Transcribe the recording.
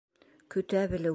Көтә белеү!..